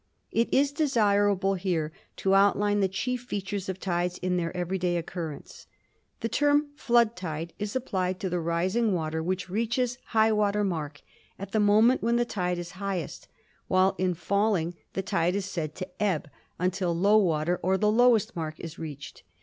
It is desirable here to outline the chief features of tides in their everyday occurrence. The term "flood tide" is applied to the rising water, which reaches "high water" mark at the moment when the tide is highest, while in fall ing the tide is said to "ebb" until low water, or the lowest mark, is reached.